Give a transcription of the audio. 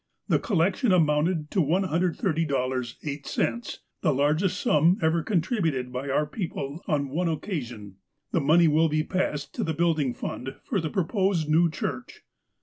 The collec tion amounted to ^130.08, the largest sum ever contributed by our people on one occasion. The money will be passed to the building fund for the proposed new church.